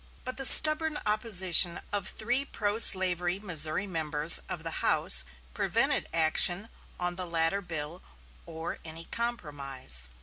But the stubborn opposition of three pro slavery Missouri members of the House prevented action on the latter bill or any compromise.